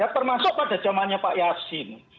termasuk pada zamannya pak yasin